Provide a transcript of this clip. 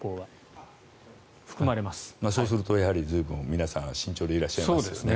そうすると皆さん随分慎重でいらっしゃいますね。